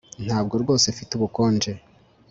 Ntabwo rwose mfite ubukonje